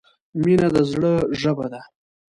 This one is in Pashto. • مینه د زړۀ ژبه ده.